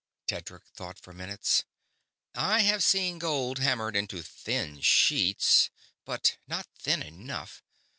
Tedric thought for minutes. "I have seen gold hammered into thin sheets ... but not thin enough